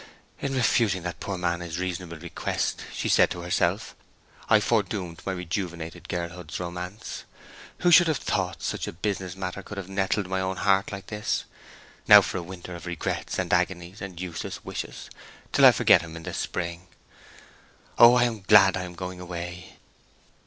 "In refusing that poor man his reasonable request," she said to herself, "I foredoomed my rejuvenated girlhood's romance. Who would have thought such a business matter could have nettled my own heart like this? Now for a winter of regrets and agonies and useless wishes, till I forget him in the spring. Oh! I am glad I am going away."